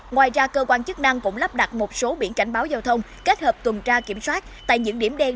ngoài ra cơ quan chức năng cũng lắp đặt một số biển cảnh báo giao thông kết hợp tuần tra kiểm soát tại những điểm đen